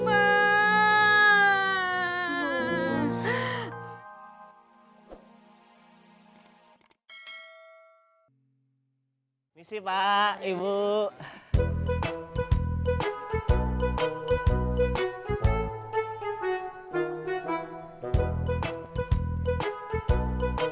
ini sih pak ibu